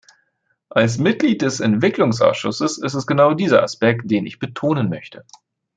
Als Mitglied des Entwicklungsausschusses ist es genau dieser Aspekt, den ich betonen möchte.